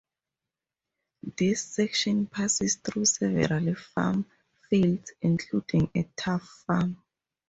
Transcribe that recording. This section passes through several farm fields, including a turf farm.